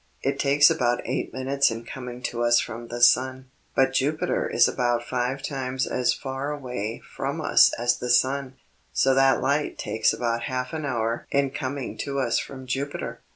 It takes about eight minutes in coming to us from the sun; but Jupiter is about five times as far away from us as the sun, so that light takes about half an hour in coming to us from Jupiter.